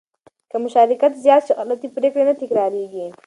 که مشارکت زیات شي، غلطې پرېکړې نه تکرارېږي.